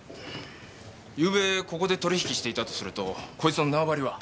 ゆうべここで取り引きしていたとするとこいつの縄張りは？